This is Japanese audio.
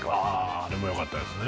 ああれもよかったですね